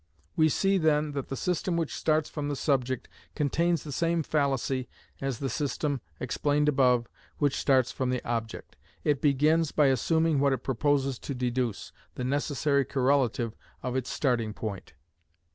We see then that the system which starts from the subject contains the same fallacy as the system, explained above, which starts from the object; it begins by assuming what it proposes to deduce, the necessary correlative of its starting point.